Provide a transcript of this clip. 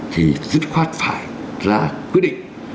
thì dứt khoát phải ra quyết định